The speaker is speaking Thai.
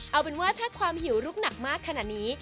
เอาเป็นว่าถ้าความหิวลุกหนักมากขนาดนี้